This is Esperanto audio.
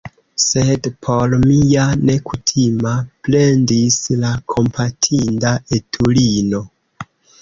"Sed por mi ja ne kutima," plendis la kompatinda etulino.